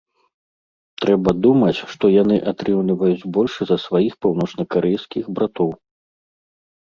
Трэба думаць, што яны атрымліваюць больш за сваіх паўночнакарэйскіх братоў.